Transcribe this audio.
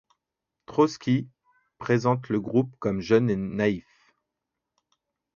Trotski présente le groupe comme jeune et naïf.